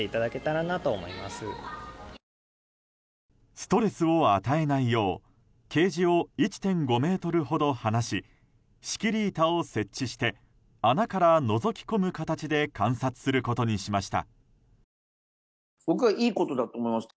ストレスを与えないようケージを１．５ｍほど離し仕切り板を設置して穴からのぞき込む形で観察することにしました。